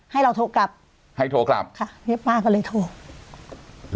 ให้เราโทรกลับให้โทรกลับค่ะเฮียป้าก็เลยโทร